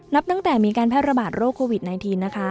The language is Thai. นับตั้งแต่มีการแพร่ระบาดโรคโควิด๑๙นะคะ